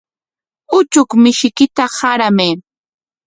Uchuk mishiykita qaramay.